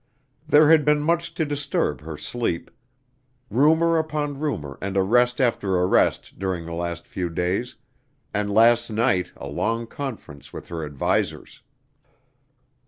There had been much to disturb her sleep, rumor upon rumor and arrest after arrest during the last few days, and last night a long conference with her advisers.